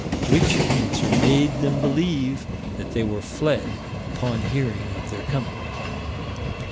Which answer made them believe that they were fled upon hearing of their coming.